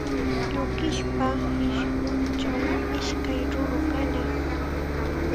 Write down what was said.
Yukispa qishunchaw ishkay ruru kanaq.